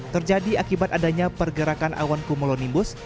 terjadi akibat adanya pergerakan awan cumulonimbus